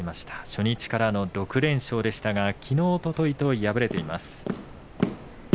初日からの６連勝でしたがきのう、おとといと敗れています。